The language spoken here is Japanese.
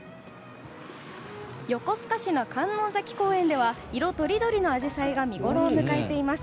横須賀市の観音崎公園では色とりどりのアジサイが見ごろを迎えています。